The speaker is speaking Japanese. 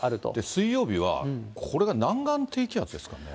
水曜日はこれが南岸低気圧ですかね。